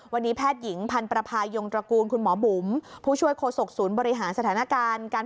วันนี้แพทย์หญิงพันธ์ประพายงตระกูลคุณหมอบุ๋มผู้ช่วยโฆษกศูนย์บริหารสถานการณ์การ